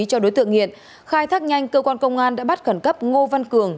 cho đối tượng nghiện khai thác nhanh cơ quan công an đã bắt khẩn cấp ngô văn cường